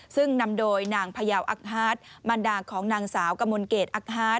ซึ่งนำโดยนางพยาวอักฮาร์ดมันดาของนางสาวกมลเกดอักฮาร์ด